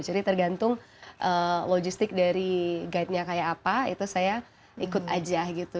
jadi tergantung logistik dari guide nya kayak apa itu saya ikut aja gitu